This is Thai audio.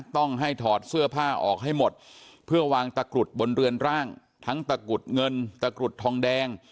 ต้องให้ถอดเสื้อผ้าออกให้หมดเพื่อวางตะกรุดบนเรือนร่างทั้งตะกรุดเงินตะกรุดทองแดง